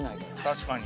確かに。